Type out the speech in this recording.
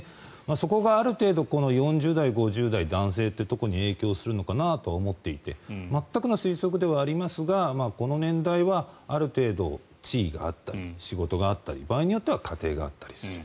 そこがある程度４０代、５０代の男性というところに影響するのかなと思っていて全くの推測ではありますがこの年代はある程度、地位があったり仕事があったり場合によっては家庭があったりする。